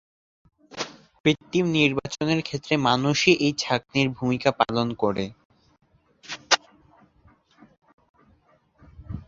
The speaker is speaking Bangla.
কৃত্রিম নির্বাচনের ক্ষেত্রে মানুষই এই "ছাকনি"-র ভূমিকা পালন করে।